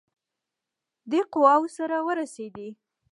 دی قواوو سره ورسېدی.